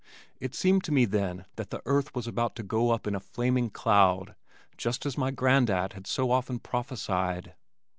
It seemed to me then that the earth was about to go up in a flaming cloud just as my grandad had so often prophesied.